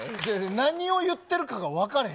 何を言ってるかが分からへん。